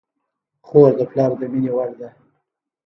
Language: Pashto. خور د پلار د مینې وړ ده.